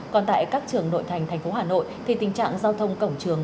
còn tại các trường nội thành thành phố hà nội thì tình trạng giao thông cổng trường